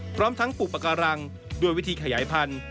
พร้อมทั้งปลูกปากการังด้วยวิธีขยายพันธุ์